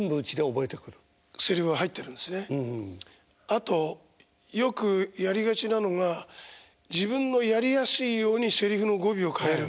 あとよくやりがちなのが自分のやりやすいようにせりふの語尾を変える。